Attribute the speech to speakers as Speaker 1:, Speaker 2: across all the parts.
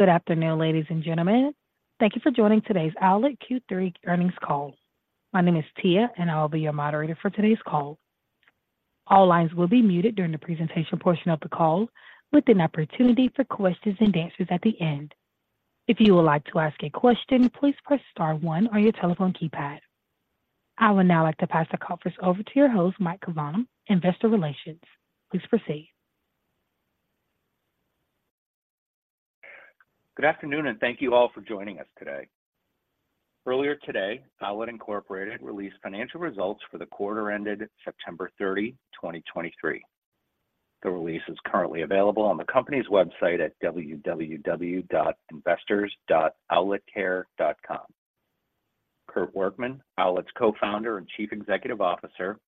Speaker 1: Good afternoon, ladies and gentlemen. Thank you for joining today's Owlet Q3 earnings call. My name is Tia, and I will be your moderator for today's call. All lines will be muted during the presentation portion of the call, with an opportunity for questions and answers at the end. If you would like to ask a question, please press star one on your telephone keypad. I would now like to pass the conference over to your host, Mike Cavanaugh, Investor Relations. Please proceed.
Speaker 2: Good afternoon, and thank you all for joining us today. Earlier today, Owlet Incorporated released financial results for the quarter ended September 30, 2023. The release is currently available on the company's website at www.investors.owletcare.com. Kurt Workman, Owlet's Co-founder and Chief Executive Officer,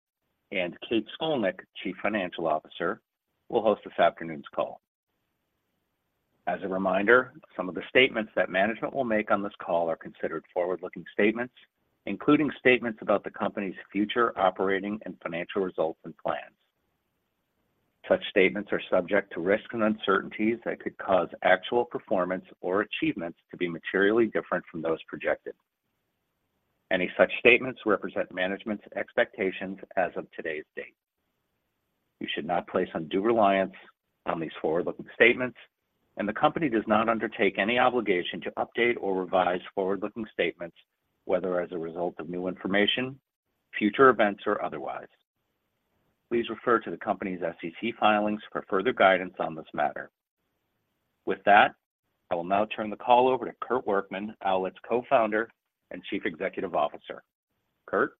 Speaker 2: and Kate Scolnick, Chief Financial Officer, will host this afternoon's call. As a reminder, some of the statements that management will make on this call are considered forward-looking statements, including statements about the company's future operating and financial results and plans. Such statements are subject to risks and uncertainties that could cause actual performance or achievements to be materially different from those projected. Any such statements represent management's expectations as of today's date. You should not place undue reliance on these forward-looking statements, and the company does not undertake any obligation to update or revise forward-looking statements, whether as a result of new information, future events, or otherwise. Please refer to the company's SEC filings for further guidance on this matter. With that, I will now turn the call over to Kurt Workman, Owlet's Co-founder and Chief Executive Officer. Kurt?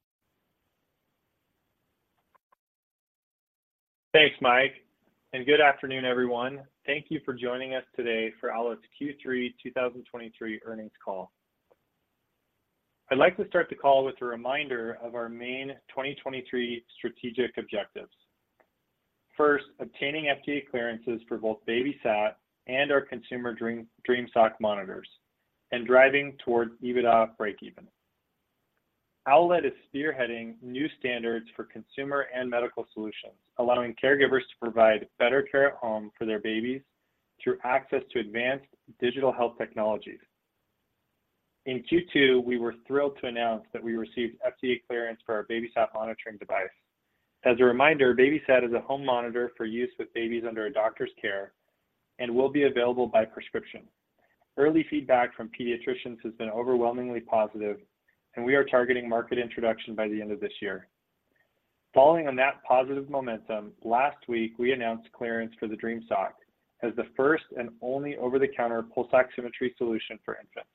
Speaker 3: Thanks, Mike, and good afternoon, everyone. Thank you for joining us today for Owlet's Q3 2023 earnings call. I'd like to start the call with a reminder of our main 2023 strategic objectives. First, obtaining FDA clearances for both BabySat and our consumer Dream, Dream Sock monitors and driving towards EBITDA breakeven. Owlet is spearheading new standards for consumer and medical solutions, allowing caregivers to provide better care at home for their babies through access to advanced digital health technologies. In Q2, we were thrilled to announce that we received FDA clearance for our BabySat monitoring device. As a reminder, BabySat is a home monitor for use with babies under a doctor's care and will be available by prescription. Early feedback from pediatricians has been overwhelmingly positive, and we are targeting market introduction by the end of this year. Following on that positive momentum, last week, we announced clearance for the Dream Sock as the first and only over-the-counter pulse oximetry solution for infants.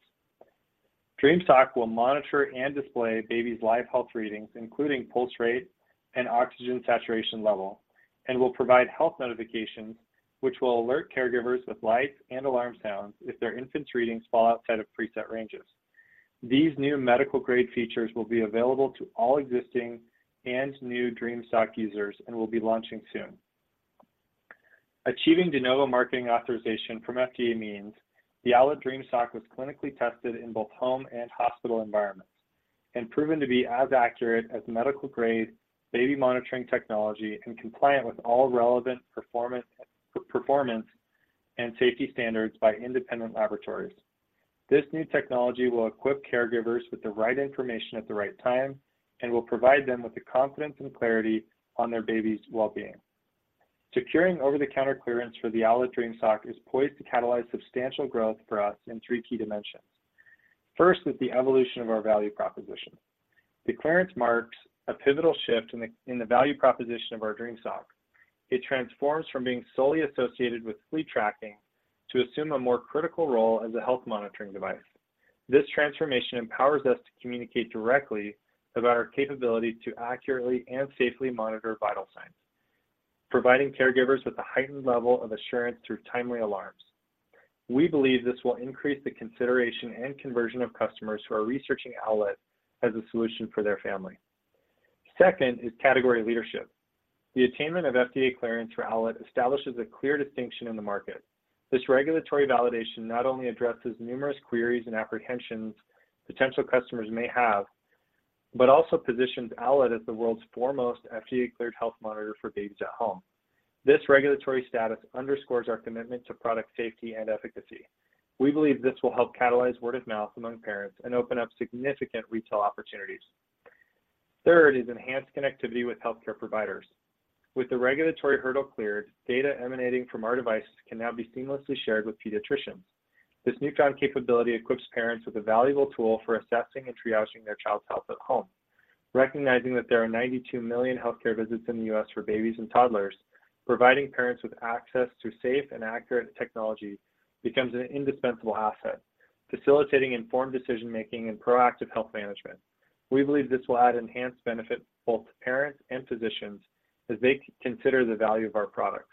Speaker 3: Dream Sock will monitor and display baby's live health readings, including pulse rate and oxygen saturation level, and will provide health notifications, which will alert caregivers with lights and alarm sounds if their infant's readings fall outside of preset ranges. These new medical-grade features will be available to all existing and new Dream Sock users and will be launching soon. Achieving De Novo Marketing authorization from FDA means the Owlet Dream Sock was clinically tested in both home and hospital environments and proven to be as accurate as medical-grade baby monitoring technology and compliant with all relevant performance and safety standards by independent laboratories. This new technology will equip caregivers with the right information at the right time and will provide them with the confidence and clarity on their baby's well-being. Securing over-the-counter clearance for the Owlet Dream Sock is poised to catalyze substantial growth for us in three key dimensions. First, is the evolution of our value proposition. The clearance marks a pivotal shift in the value proposition of our Dream Sock. It transforms from being solely associated with sleep tracking to assume a more critical role as a health monitoring device. This transformation empowers us to communicate directly about our capability to accurately and safely monitor vital signs, providing caregivers with a heightened level of assurance through timely alarms. We believe this will increase the consideration and conversion of customers who are researching Owlet as a solution for their family. Second, is category leadership. The attainment of FDA clearance for Owlet establishes a clear distinction in the market. This regulatory validation not only addresses numerous queries and apprehensions potential customers may have, but also positions Owlet as the world's foremost FDA-cleared health monitor for babies at home. This regulatory status underscores our commitment to product safety and efficacy. We believe this will help catalyze word of mouth among parents and open up significant retail opportunities. Third, is enhanced connectivity with healthcare providers. With the regulatory hurdle cleared, data emanating from our devices can now be seamlessly shared with pediatricians. This newfound capability equips parents with a valuable tool for assessing and triaging their child's health at home. Recognizing that there are 92 million healthcare visits in the U.S. for babies and toddlers, providing parents with access to safe and accurate technology becomes an indispensable asset, facilitating informed decision-making and proactive health management. We believe this will add enhanced benefit both to parents and physicians as they consider the value of our products.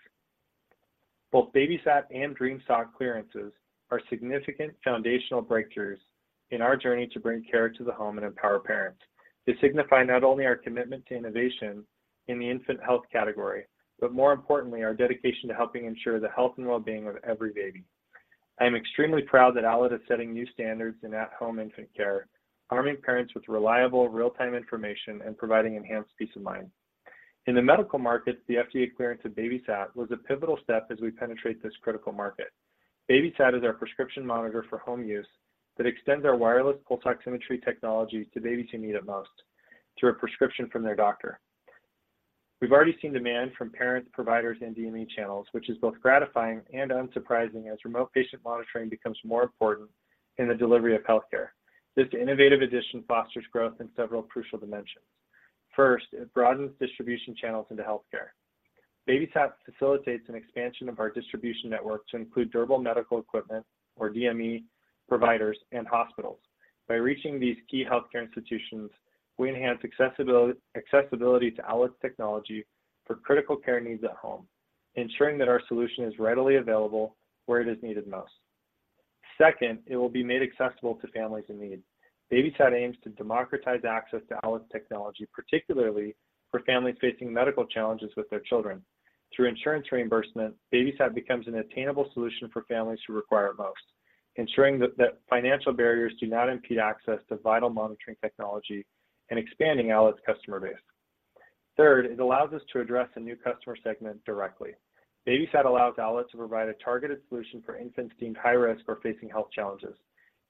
Speaker 3: Both BabySat and Dream Sock clearances are significant foundational breakthroughs in our journey to bring care to the home and empower parents. They signify not only our commitment to innovation in the infant health category, but more importantly, our dedication to helping ensure the health and well-being of every baby. I am extremely proud that Owlet is setting new standards in at-home infant care, arming parents with reliable real-time information and providing enhanced peace of mind. In the medical market, the FDA clearance of BabySat was a pivotal step as we penetrate this critical market. BabySat is our prescription monitor for home use that extends our wireless pulse oximetry technology to babies who need it most through a prescription from their doctor. We've already seen demand from parents, providers, and DME channels, which is both gratifying and unsurprising as remote patient monitoring becomes more important in the delivery of healthcare. This innovative addition fosters growth in several crucial dimensions. First, it broadens distribution channels into healthcare. BabySat facilitates an expansion of our distribution network to include durable medical equipment or DME providers and hospitals. By reaching these key healthcare institutions, we enhance accessibility to Owlet's technology for critical care needs at home, ensuring that our solution is readily available where it is needed most. Second, it will be made accessible to families in need. BabySat aims to democratize access to Owlet's technology, particularly for families facing medical challenges with their children. Through insurance reimbursement, BabySat becomes an attainable solution for families who require it most, ensuring that financial barriers do not impede access to vital monitoring technology and expanding Owlet's customer base. Third, it allows us to address a new customer segment directly. BabySat allows Owlet to provide a targeted solution for infants deemed high risk or facing health challenges.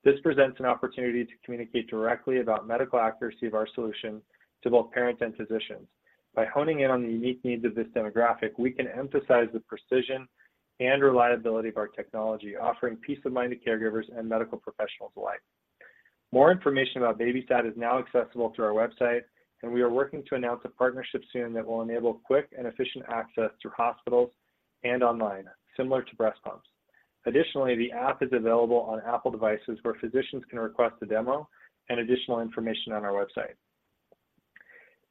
Speaker 3: This presents an opportunity to communicate directly about medical accuracy of our solution to both parents and physicians. By honing in on the unique needs of this demographic, we can emphasize the precision and reliability of our technology, offering peace of mind to caregivers and medical professionals alike. More information about BabySat is now accessible through our website, and we are working to announce a partnership soon that will enable quick and efficient access through hospitals and online, similar to breast pumps. Additionally, the app is available on Apple devices, where physicians can request a demo and additional information on our website.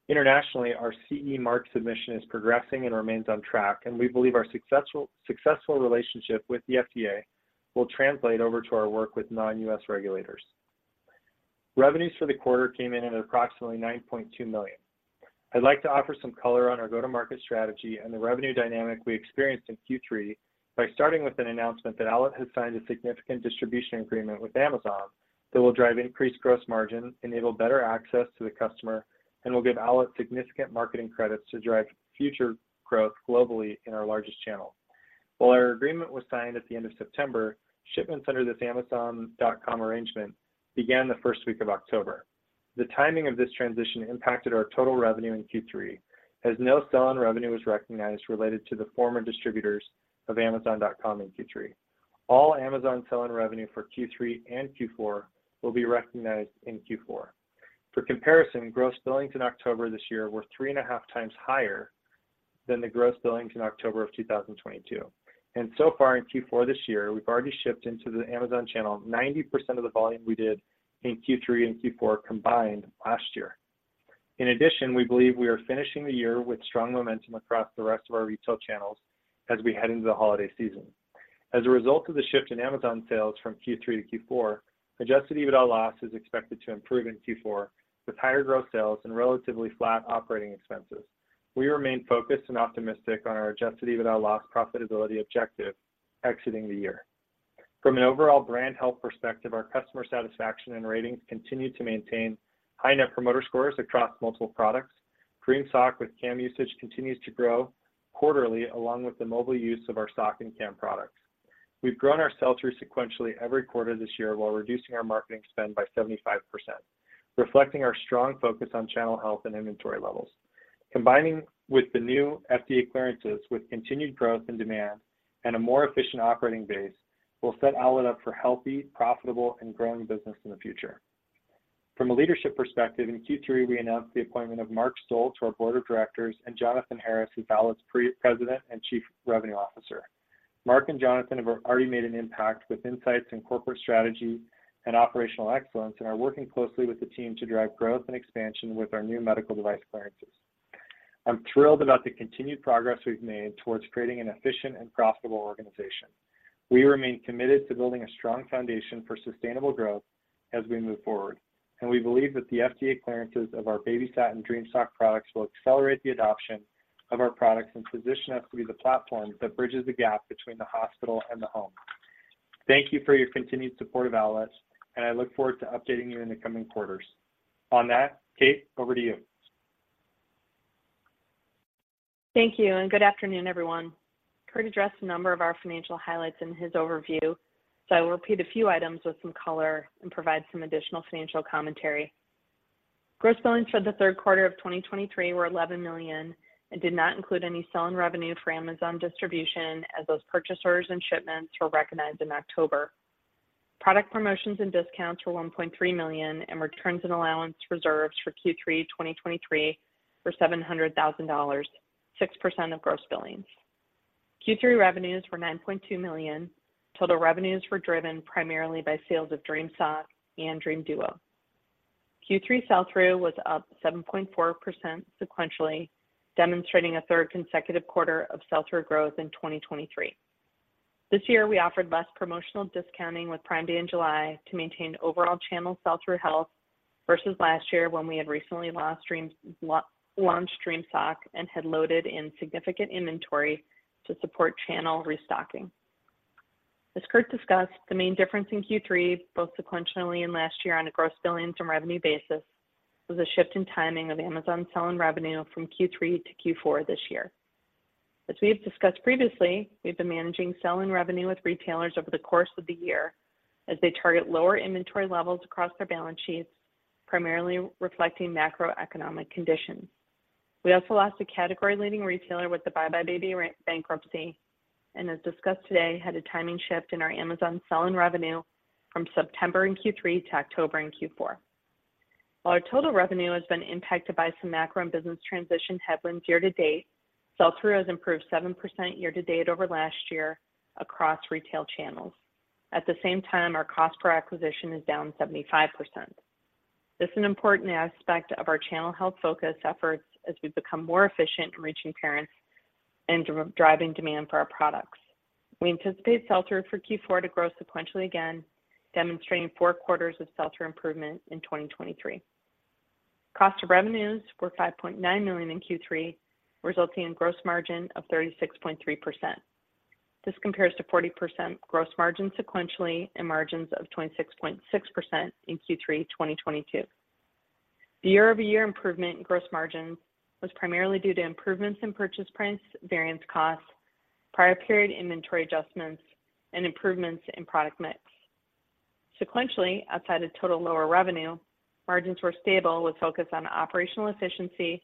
Speaker 3: Internationally, our CE Mark submission is progressing and remains on track, and we believe our successful relationship with the FDA will translate over to our work with non-U.S. regulators. Revenues for the quarter came in at approximately $9.2 million. I'd like to offer some color on our go-to-market strategy and the revenue dynamic we experienced in Q3 by starting with an announcement that Owlet has signed a significant distribution agreement with Amazon that will drive increased gross margin, enable better access to the customer, and will give Owlet significant marketing credits to drive future growth globally in our largest channel. While our agreement was signed at the end of September, shipments under this Amazon.com arrangement began the first week of October. The timing of this transition impacted our total revenue in Q3, as no sell-in revenue was recognized related to the former distributors of Amazon.com in Q3. All Amazon sell-in revenue for Q3 and Q4 will be recognized in Q4. For comparison, gross billings in October this year were 3.5 times higher than the gross billings in October of 2022. So far in Q4 this year, we've already shipped into the Amazon channel 90% of the volume we did in Q3 and Q4 combined last year. In addition, we believe we are finishing the year with strong momentum across the rest of our retail channels as we head into the holiday season. As a result of the shift in Amazon sales from Q3 to Q4, adjusted EBITDA loss is expected to improve in Q4, with higher growth sales and relatively flat operating expenses. We remain focused and optimistic on our Adjusted EBITDA loss profitability objective exiting the year. From an overall brand health perspective, our customer satisfaction and ratings continue to maintain high Net Promoter Scores across multiple products. Dream Sock with cam usage continues to grow quarterly, along with the mobile use of our sock and cam products. We've grown our sell-through sequentially every quarter this year, while reducing our marketing spend by 75%, reflecting our strong focus on channel health and inventory levels. Combining with the new FDA clearances, with continued growth and demand and a more efficient operating base, will set Owlet up for healthy, profitable, and growing business in the future. From a leadership perspective, in Q3, we announced the appointment of Mark Stolz to our board of directors and Jonathan Harris as Owlet's President and Chief Revenue Officer. Mark and Jonathan have already made an impact with insights and corporate strategy and operational excellence, and are working closely with the team to drive growth and expansion with our new medical device clearances. I'm thrilled about the continued progress we've made towards creating an efficient and profitable organization. We remain committed to building a strong foundation for sustainable growth as we move forward, and we believe that the FDA clearances of our BabySat and Dream Sock products will accelerate the adoption of our products and position us to be the platform that bridges the gap between the hospital and the home. Thank you for your continued support of Owlet, and I look forward to updating you in the coming quarters. On that, Kate, over to you.
Speaker 4: Thank you, and good afternoon, everyone. Kurt addressed a number of our financial highlights in his overview, so I will repeat a few items with some color and provide some additional financial commentary. Gross Billings for the third quarter of 2023 were $11 million and did not include any sell-in revenue for Amazon distribution, as those purchasers and shipments were recognized in October. Product promotions and discounts were $1.3 million, and returns and allowance reserves for Q3 2023 were $700,000, 6% of Gross Billings. Q3 revenues were $9.2 million. Total revenues were driven primarily by sales of Dream Sock and Dream Duo. Q3 sell-through was up 7.4% sequentially, demonstrating a third consecutive quarter of sell-through growth in 2023. This year, we offered less promotional discounting with Prime Day in July to maintain overall channel sell-through health versus last year, when we had recently launched Dream Sock and had loaded in significant inventory to support channel restocking. As Kurt discussed, the main difference in Q3, both sequentially and last year on a gross billings from revenue basis, was a shift in timing of Amazon sell-in revenue from Q3 to Q4 this year. As we have discussed previously, we've been managing sell-in revenue with retailers over the course of the year as they target lower inventory levels across their balance sheets, primarily reflecting macroeconomic conditions. We also lost a category-leading retailer with the Buy Buy Baby bankruptcy, and as discussed today, had a timing shift in our Amazon sell-in revenue from September in Q3 to October in Q4. While our total revenue has been impacted by some macro and business transition headwinds year to date, sell-through has improved 7% year to date over last year across retail channels. At the same time, our cost per acquisition is down 75%. This is an important aspect of our channel health focus efforts as we become more efficient in reaching parents and driving demand for our products. We anticipate sell-through for Q4 to grow sequentially, again, demonstrating four quarters of sell-through improvement in 2023. Cost of revenues were $5.9 million in Q3, resulting in gross margin of 36.3%. This compares to 40% gross margin sequentially and margins of 26.6% in Q3, 2022. The year-over-year improvement in gross margins was primarily due to improvements in purchase price variance costs, prior period inventory adjustments, and improvements in product mix. Sequentially, outside of total lower revenue, margins were stable, with focus on operational efficiency,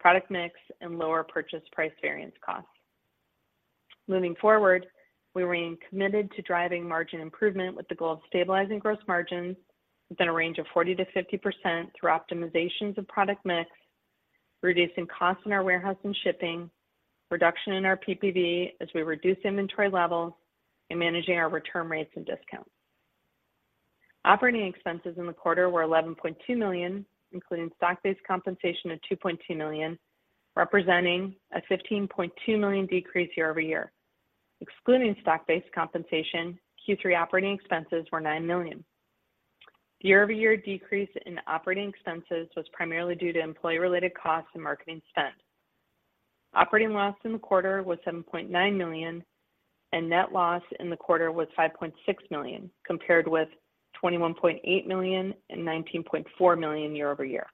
Speaker 4: product mix, and lower Purchase Price Variance costs. Moving forward, we remain committed to driving margin improvement with the goal of stabilizing gross margins within a range of 40%-50% through optimizations of product mix, reducing costs in our warehouse and shipping, reduction in our PPV as we reduce inventory levels, and managing our return rates and discounts. Operating expenses in the quarter were $11.2 million, including stock-based compensation of $2.2 million, representing a $15.2 million decrease year-over-year. Excluding stock-based compensation, Q3 operating expenses were $9 million. The year-over-year decrease in operating expenses was primarily due to employee-related costs and marketing spend. Operating loss in the quarter was $7.9 million, and net loss in the quarter was $5.6 million, compared with $21.8 million and $19.4 million year-over-year.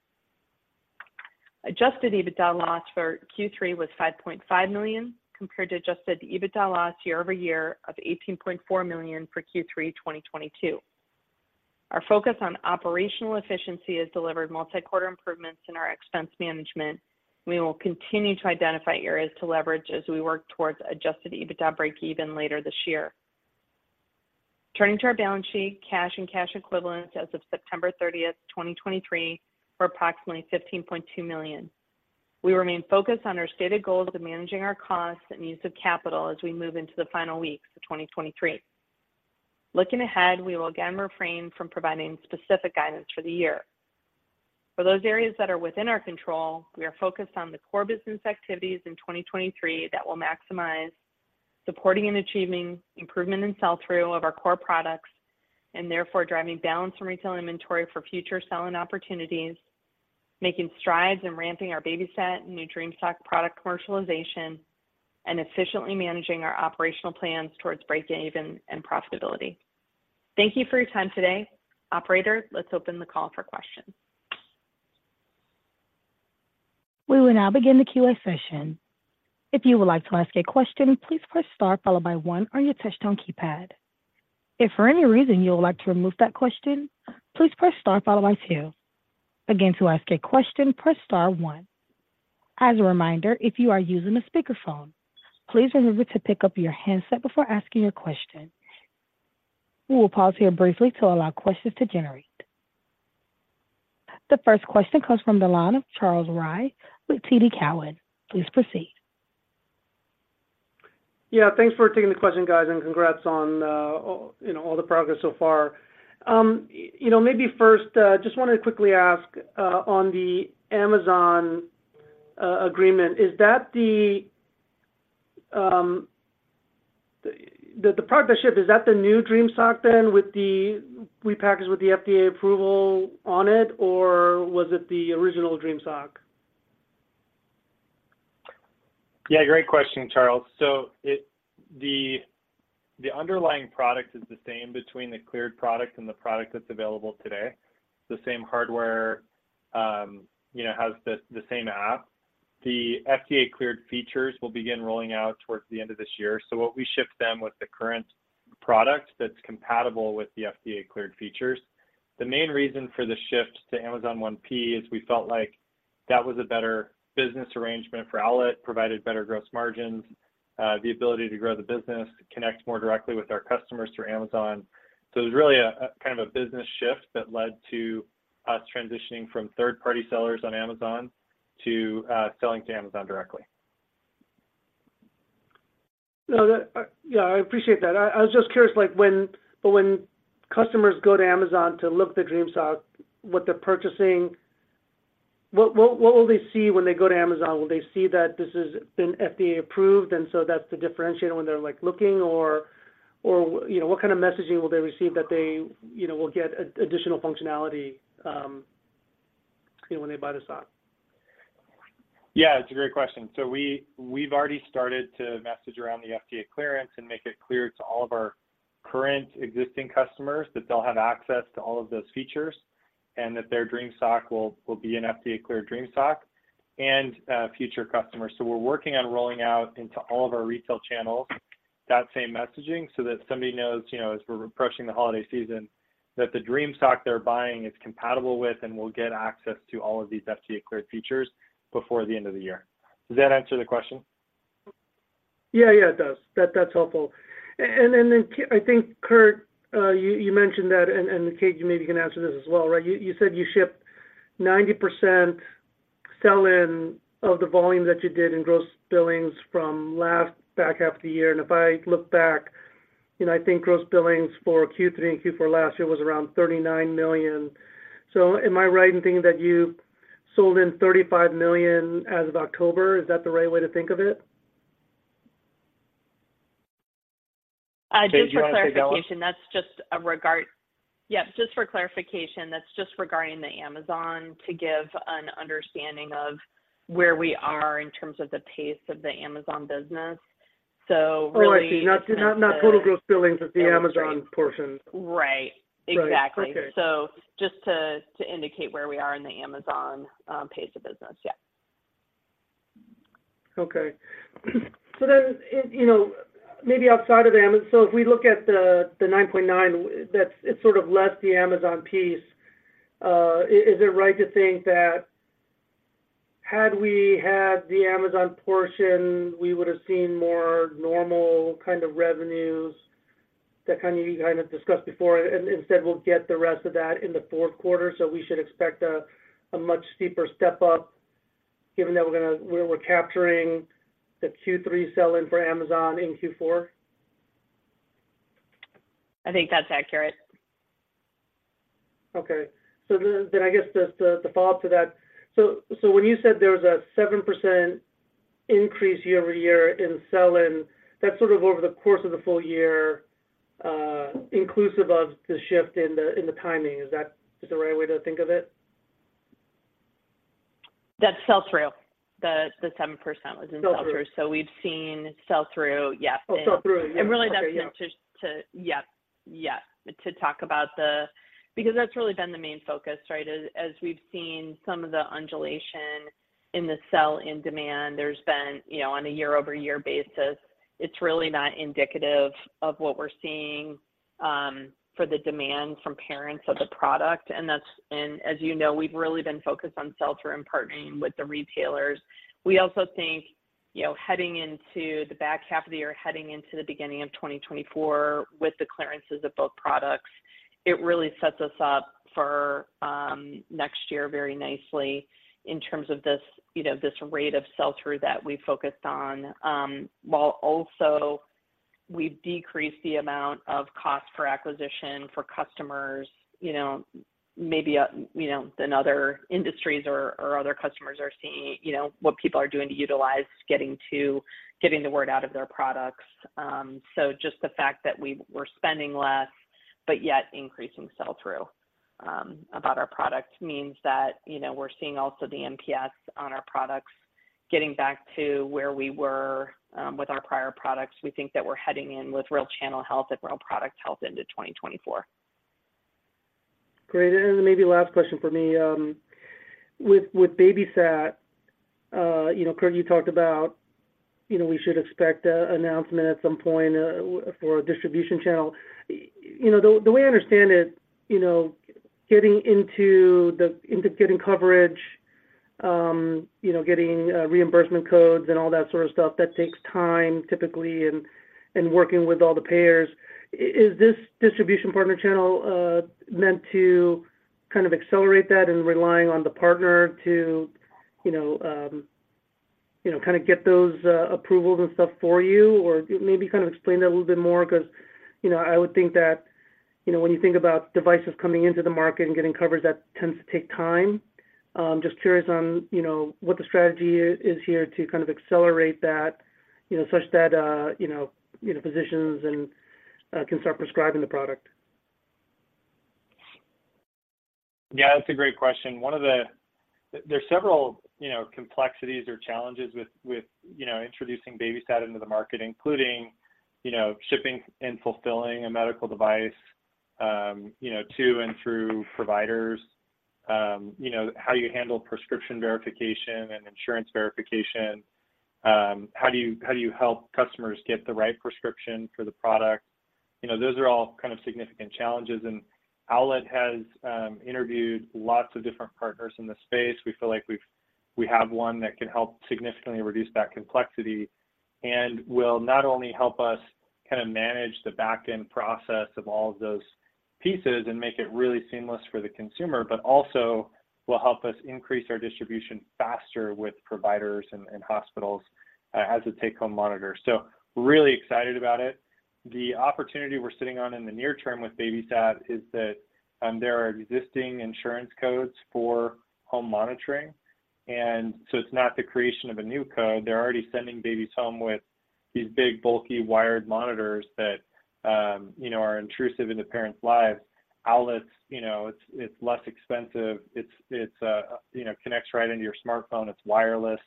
Speaker 4: Adjusted EBITDA loss for Q3 was $5.5 million, compared to adjusted EBITDA loss year-over-year of $18.4 million for Q3 2022. Our focus on operational efficiency has delivered multi-quarter improvements in our expense management. We will continue to identify areas to leverage as we work towards adjusted EBITDA break-even later this year. Turning to our balance sheet, cash and cash equivalents as of September 30, 2023, were approximately $15.2 million. We remain focused on our stated goals of managing our costs and use of capital as we move into the final weeks of 2023. Looking ahead, we will again refrain from providing specific guidance for the year. For those areas that are within our control, we are focused on the core business activities in 2023 that will maximize supporting and achieving improvement in sell-through of our core products, and therefore driving balance in retail inventory for future selling opportunities, making strides in ramping our BabySat and new Dream Sock product commercialization, and efficiently managing our operational plans towards break-even and profitability. Thank you for your time today. Operator, let's open the call for questions.
Speaker 1: We will now begin the Q&A session. If you would like to ask a question, please press Star followed by one on your touchtone keypad. If for any reason you would like to remove that question, please press Star followed by two. Again, to ask a question, press Star one. As a reminder, if you are using a speakerphone, please remember to pick up your handset before asking your question. We will pause here briefly to allow questions to generate. The first question comes from the line of Charles Rhyee with TD Cowen. Please proceed.
Speaker 5: Yeah, thanks for taking the question, guys, and congrats on, you know, all the progress so far. You know, maybe first, just wanted to quickly ask, on the Amazon agreement, is that the partnership, is that the new Dream Sock then, with the repackage, with the FDA approval on it, or was it the original Dream Sock?
Speaker 3: Yeah, great question, Charles. So, the underlying product is the same between the cleared product and the product that's available today. The same hardware, you know, has the same app. The FDA-cleared features will begin rolling out towards the end of this year. So what we ship them with the current product that's compatible with the FDA-cleared features. The main reason for the shift to Amazon 1P is we felt like that was a better business arrangement for Owlet, provided better gross margins, the ability to grow the business, connect more directly with our customers through Amazon. So it was really a kind of a business shift that led to us transitioning from third-party sellers on Amazon to selling to Amazon directly.
Speaker 5: No, that, yeah, I appreciate that. I was just curious, like, when... But when customers go to Amazon to look at the Dream Sock, what they're purchasing, what, what, what will they see when they go to Amazon? Will they see that this has been FDA approved, and so that's the differentiator when they're, like, looking or, or, you know, what kind of messaging will they receive that they, you know, will get additional functionality, you know, when they buy the sock?
Speaker 3: Yeah, it's a great question. So we, we've already started to message around the FDA clearance and make it clear to all of our current existing customers that they'll have access to all of those features, and that their Dream Sock will be an FDA-cleared Dream Sock and future customers. So we're working on rolling out into all of our retail channels that same messaging, so that somebody knows, you know, as we're approaching the holiday season, that the Dream Sock they're buying is compatible with and will get access to all of these FDA-cleared features before the end of the year. Does that answer the question?
Speaker 5: Yeah, yeah, it does. That's helpful. And then, I think, Kurt, you mentioned that, and Kate, you maybe can answer this as well, right? You said you shipped 90% sell-in of the volume that you did in gross billings from last back half of the year. And if I look back, you know, I think gross billings for Q3 and Q4 last year was around $39 million. So am I right in thinking that you sold in $35 million as of October? Is that the right way to think of it?
Speaker 4: Just for clarification, that's just regarding Amazon, to give an understanding of where we are in terms of the pace of the Amazon business. So really-
Speaker 5: Oh, I see. Not total Gross Billings of the Amazon portion.
Speaker 4: Right.
Speaker 5: Right.
Speaker 4: Exactly.
Speaker 5: Okay.
Speaker 4: Just to indicate where we are in the Amazon pace of business. Yeah.
Speaker 5: Okay. So then, you know, maybe outside of Amazon... So if we look at the 9.9, that's it sort of less the Amazon piece, is it right to think that had we had the Amazon portion, we would've seen more normal kind of revenues, that kind of you kind of discussed before? And instead, we'll get the rest of that in the fourth quarter, so we should expect a much steeper step up, given that we're gonna we're capturing the Q3 sell-in for Amazon in Q4?
Speaker 4: I think that's accurate.
Speaker 5: Okay. So then I guess just the follow-up to that: So when you said there was a 7% increase year-over-year in sell-in, that's sort of over the course of the full year, inclusive of the shift in the timing. Is that the right way to think of it?
Speaker 4: That's sell-through. The 7% was in sell-through.
Speaker 5: Sell-through.
Speaker 4: We've seen Sell-Through, yes.
Speaker 5: Oh, sell-through. Yeah.
Speaker 4: To talk about the, because that's really been the main focus, right? As we've seen some of the fluctuation in the sell-in demand, there's been, you know, on a year-over-year basis, it's really not indicative of what we're seeing for the demand from parents for the product. And that's, as you know, we've really been focused on sell-through and partnering with the retailers. We also think, you know, heading into the back half of the year, heading into the beginning of 2024 with the clearances of both products, it really sets us up for next year very nicely in terms of this, you know, this rate of sell-through that we focused on. While also we've decreased the amount of cost for acquisition for customers, you know, maybe, you know, than other industries or, or other customers are seeing, you know, what people are doing to utilize getting to—getting the word out of their products. So just the fact that we're spending less, but yet increasing sell-through about our product, means that, you know, we're seeing also the NPS on our products getting back to where we were with our prior products. We think that we're heading in with real channel health and real product health into 2024.
Speaker 5: Great. And then maybe last question for me. With BabySat, you know, Kurt, you talked about, you know, we should expect an announcement at some point for a distribution channel. You know, the way I understand it, you know, getting into getting coverage, you know, getting reimbursement codes and all that sort of stuff, that takes time, typically, and working with all the payers. Is this distribution partner channel meant to kind of accelerate that and relying on the partner to, you know, you know, kind of get those approvals and stuff for you? Or maybe kind of explain that a little bit more, because, you know, I would think that, you know, when you think about devices coming into the market and getting coverage, that tends to take time. Just curious on, you know, what the strategy here is to kind of accelerate that, you know, such that, you know, physicians and can start prescribing the product?
Speaker 3: Yeah, that's a great question. One of the. There are several, you know, complexities or challenges with, with, you know, introducing BabySat into the market, including, you know, shipping and fulfilling a medical device, you know, to and through providers. You know, how you handle prescription verification and insurance verification. How do you help customers get the right prescription for the product? You know, those are all kind of significant challenges, and Owlet has interviewed lots of different partners in this space. We feel like we have one that can help significantly reduce that complexity, and will not only help us kind of manage the back-end process of all of those pieces and make it really seamless for the consumer, but also will help us increase our distribution faster with providers and hospitals as a take-home monitor. So we're really excited about it. The opportunity we're sitting on in the near term with BabySat is that, there are existing insurance codes for home monitoring, and so it's not the creation of a new code. They're already sending babies home with these big, bulky, wired monitors that, you know, are intrusive into parents' lives. Owlet's, you know, it's, it connects right into your smartphone, it's wireless.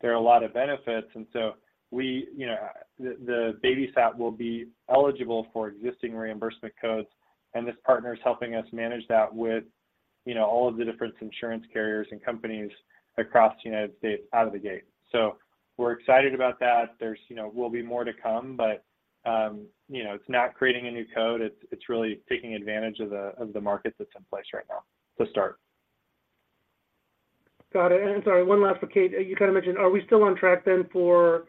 Speaker 3: There are a lot of benefits, and so we, you know, the BabySat will be eligible for existing reimbursement codes, and this partner is helping us manage that with, you know, all of the different insurance carriers and companies across the United States out of the gate. So we're excited about that. There's, you know, will be more to come, but, you know, it's not creating a new code. It's really taking advantage of the market that's in place right now to start.
Speaker 5: Got it. Sorry, one last for Kate. You kinda mentioned, are we still on track then for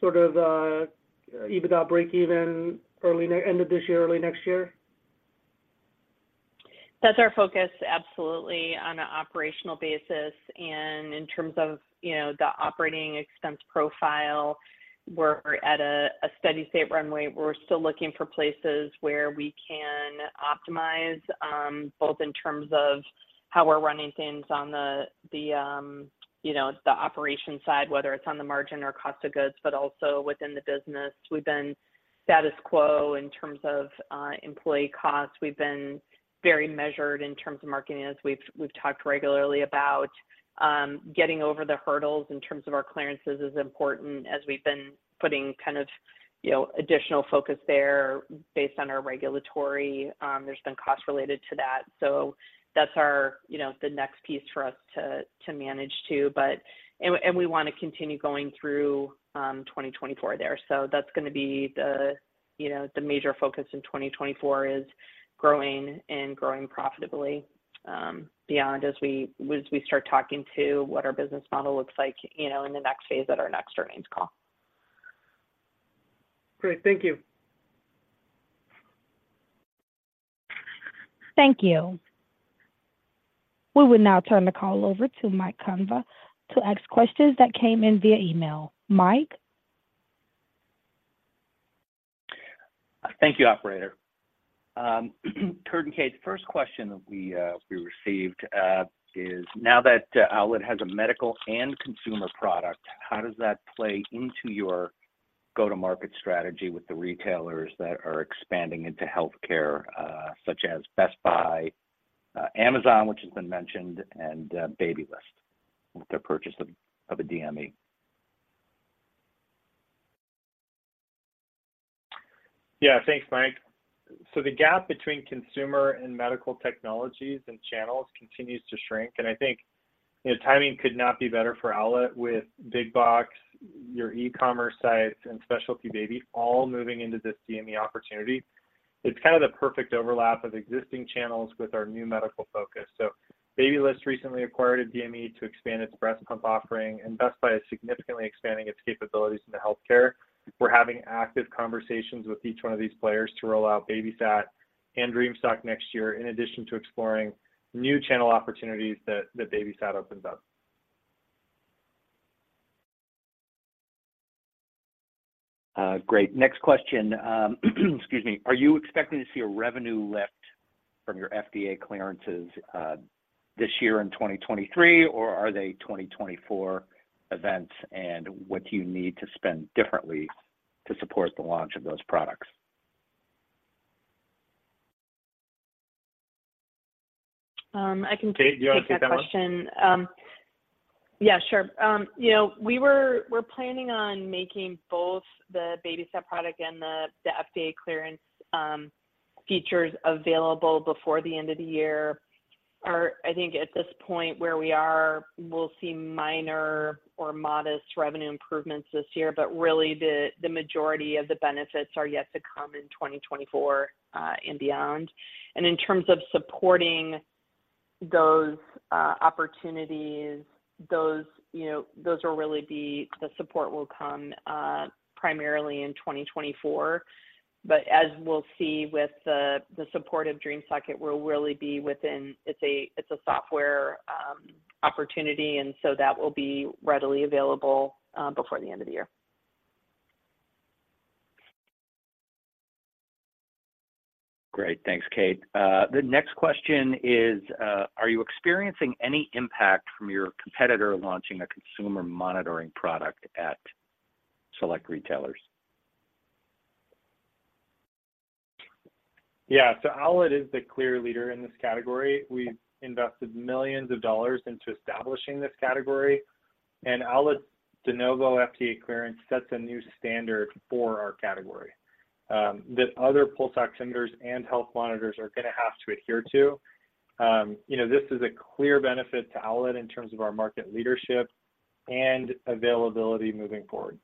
Speaker 5: sort of, EBITDA breakeven early end of this year, early next year?
Speaker 4: That's our focus, absolutely, on an operational basis. And in terms of, you know, the operating expense profile, we're at a steady state runway. We're still looking for places where we can optimize both in terms of how we're running things on the operation side, you know, whether it's on the margin or cost of goods, but also within the business. We've been status quo in terms of employee costs. We've been very measured in terms of marketing, as we've talked regularly about. Getting over the hurdles in terms of our clearances is important, as we've been putting kind of, you know, additional focus there based on our regulatory. There's been costs related to that. So that's our, you know, the next piece for us to manage too. But we wanna continue going through 2024 there. So that's gonna be the, you know, the major focus in 2024, is growing and growing profitably, beyond as we start talking to what our business model looks like, you know, in the next phase at our next earnings call.
Speaker 5: Great. Thank you.
Speaker 1: Thank you. We will now turn the call over to Mike Cavanaugh to ask questions that came in via email. Mike?
Speaker 2: Thank you, operator. Kurt and Kate, the first question that we received is: Now that Owlet has a medical and consumer product, how does that play into your go-to-market strategy with the retailers that are expanding into healthcare, such as Best Buy, Amazon, which has been mentioned, and Babylist, with their purchase of a DME?
Speaker 3: Yeah. Thanks, Mike. So the gap between consumer and medical technologies and channels continues to shrink, and I think, you know, timing could not be better for Owlet with big box, your e-commerce sites, and specialty baby all moving into this DME opportunity. It's kind of the perfect overlap of existing channels with our new medical focus. So Babylist recently acquired a DME to expand its breast pump offering, and Best Buy is significantly expanding its capabilities in the healthcare. We're having active conversations with each one of these players to roll out BabySat and Dream Sock next year, in addition to exploring new channel opportunities that BabySat opens up.
Speaker 2: Great. Next question. Excuse me. Are you expecting to see a revenue lift from your FDA clearances this year in 2023, or are they 2024 events? And what do you need to spend differently to support the launch of those products?
Speaker 4: I can-
Speaker 3: Kate, do you wanna take that one?
Speaker 4: Take that question. Yeah, sure. You know, we're planning on making both the BabySat product and the FDA clearance features available before the end of the year. Or I think at this point where we are, we'll see minor or modest revenue improvements this year, but really, the majority of the benefits are yet to come in 2024 and beyond. And in terms of supporting those opportunities, those you know, those will really be- the support will come primarily in 2024. But as we'll see with the support of Dream Sock, we'll really be within. It's a software opportunity, and so that will be readily available before the end of the year.
Speaker 2: Great. Thanks, Kate. The next question is, are you experiencing any impact from your competitor launching a consumer monitoring product at select retailers?
Speaker 3: Yeah. Owlet is the clear leader in this category. We've invested millions of dollars into establishing this category, and Owlet's De Novo FDA clearance sets a new standard for our category, that other pulse oximeters and health monitors are gonna have to adhere to. You know, this is a clear benefit to Owlet in terms of our market leadership and availability moving forward.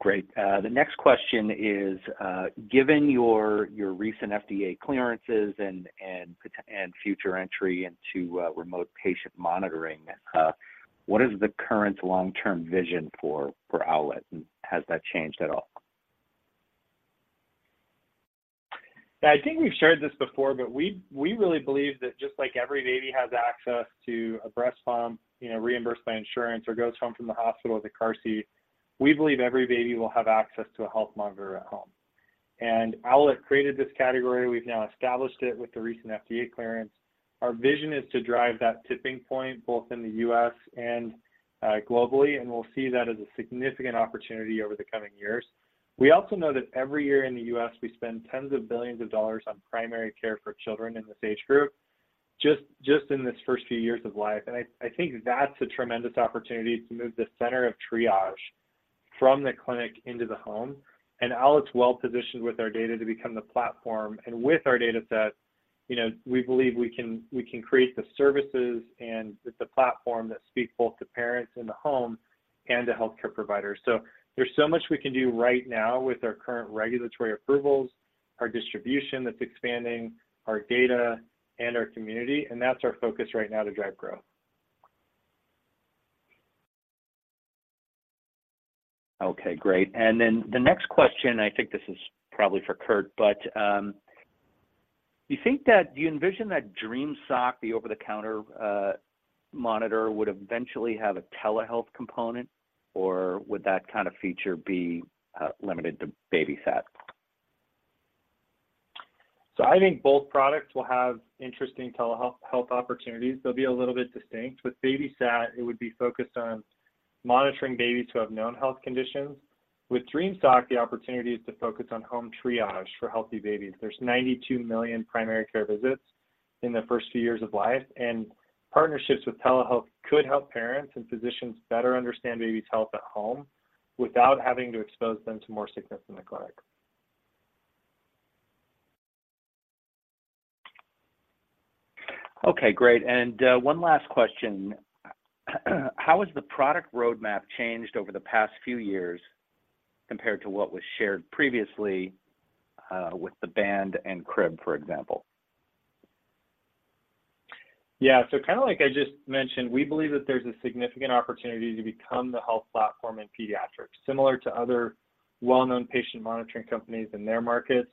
Speaker 2: Great. The next question is, given your recent FDA clearances and future entry into remote patient monitoring, what is the current long-term vision for Owlet, and has that changed at all?
Speaker 3: Yeah, I think we've shared this before, but we really believe that just like every baby has access to a breast pump, you know, reimbursed by insurance, or goes home from the hospital with a car seat, we believe every baby will have access to a health monitor at home. And Owlet created this category. We've now established it with the recent FDA clearance. Our vision is to drive that tipping point, both in the U.S. and globally, and we'll see that as a significant opportunity over the coming years. We also know that every year in the U.S., we spend tens of billions of dollars on primary care for children in this age group, just in this first few years of life. And I think that's a tremendous opportunity to move the center of triage from the clinic into the home. Owlet's well-positioned with our data to become the platform, and with our data set, you know, we believe we can, we can create the services, and it's a platform that speaks both to parents in the home and to healthcare providers. There's so much we can do right now with our current regulatory approvals, our distribution that's expanding, our data, and our community, and that's our focus right now to drive growth.
Speaker 2: Okay, great. And then the next question, I think this is probably for Kurt, but, do you think that—do you envision that Dream Sock, the over-the-counter, monitor, would eventually have a Telehealth component, or would that kind of feature be, limited to BabySat?
Speaker 3: So I think both products will have interesting telehealth health opportunities. They'll be a little bit distinct. With BabySat, it would be focused on monitoring babies who have known health conditions. With Dream Sock, the opportunity is to focus on home triage for healthy babies. There's 92 million primary care visits in the first few years of life, and partnerships with telehealth could help parents and physicians better understand babies' health at home without having to expose them to more sickness in the clinic.
Speaker 2: Okay, great, and one last question: how has the product roadmap changed over the past few years compared to what was shared previously, with the band and crib, for example?
Speaker 3: Yeah, so kind of like I just mentioned, we believe that there's a significant opportunity to become the health platform in pediatrics, similar to other well-known patient monitoring companies in their markets.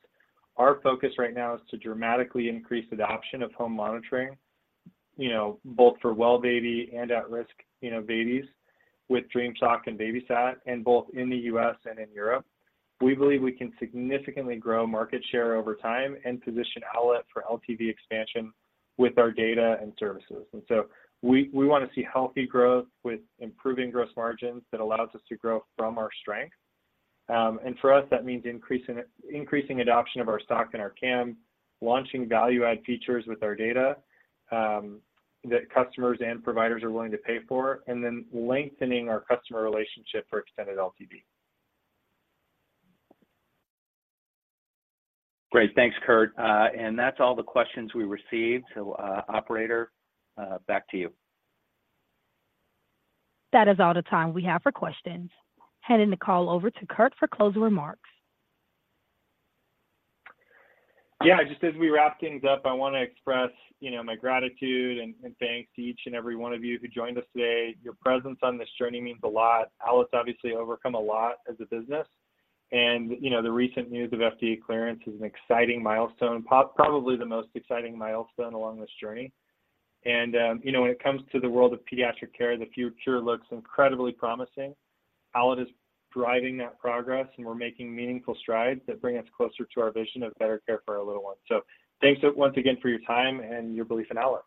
Speaker 3: Our focus right now is to dramatically increase adoption of home monitoring, you know, both for well baby and at-risk, you know, babies with Dream Sock and BabySat, and both in the U.S. and in Europe. We believe we can significantly grow market share over time and position Owlet for LTV expansion with our data and services. And so we, we wanna see healthy growth with improving gross margins that allows us to grow from our strength. And for us, that means increasing, increasing adoption of our sock and our cam, launching value-add features with our data, that customers and providers are willing to pay for, and then lengthening our customer relationship for extended LTV.
Speaker 2: Great. Thanks, Kurt. And that's all the questions we received, so, operator, back to you.
Speaker 1: That is all the time we have for questions. Handing the call over to Kurt for closing remarks.
Speaker 3: Yeah, just as we wrap things up, I wanna express, you know, my gratitude and thanks to each and every one of you who joined us today. Your presence on this journey means a lot. Owlet's obviously overcome a lot as a business, and, you know, the recent news of FDA clearance is an exciting milestone, probably the most exciting milestone along this journey. And, you know, when it comes to the world of pediatric care, the future looks incredibly promising. Owlet is driving that progress, and we're making meaningful strides that bring us closer to our vision of better care for our little ones. So thanks once again for your time and your belief in Owlet.